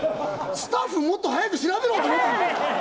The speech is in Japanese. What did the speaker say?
スタッフ、もっと早く調べるよ！って思った。